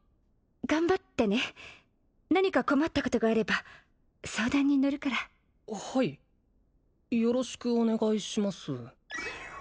頑張ってね何か困ったことがあれば相談に乗るからはいよろしくお願いします